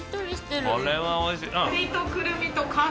これはおいしい。